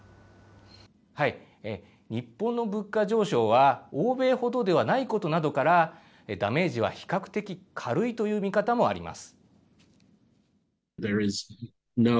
日本の物価上昇は欧米ほどではないことなどから、ダメージは比較的軽いという見方もあります。